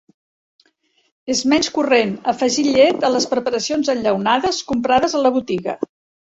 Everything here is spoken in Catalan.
És menys corrent afegir llet a les preparacions enllaunades comprades a la botiga.